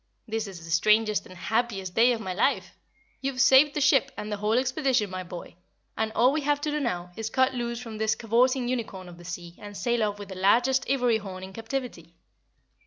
"This is the strangest and happiest day of my life. You've saved the ship and the whole expedition, my boy, and all we have to do now is cut loose from this cavorting unicorn of the sea and sail off with the largest ivory horn in captivity.